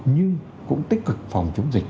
nhưng cũng tích cực phòng chống dịch